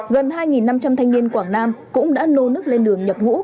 gần hai năm trăm linh thanh niên quảng nam cũng đã nô nước lên đường nhập ngũ